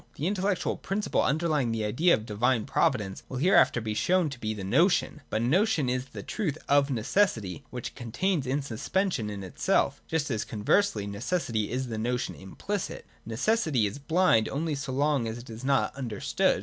The intellectual principle underlying the idea of divine providence will hereafter be shown to be the notion. But the notion is the truth of necessity, which it contains in sus I47 ] NECESSITY AND PROVIDENCE. 269 pension in itself; just as, conversely, necessity is the notion implicit. Necessity is blind only so long as it is not under stood.